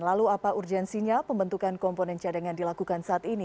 lalu apa urgensinya pembentukan komponen cadangan dilakukan saat ini